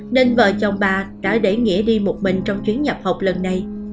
nên vợ chồng bà đã để nghĩa đi một mình trong chuyến nhập học lần này